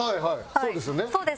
そうです。